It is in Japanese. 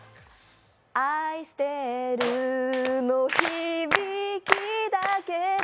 「愛してる」の響きだけで